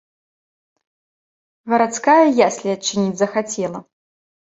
Гарадская яслі адчыніць захацела.